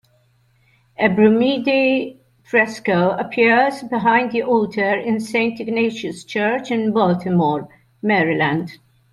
A Brumidi fresco appears behind the altar in Saint Ignatius Church in Baltimore, Maryland.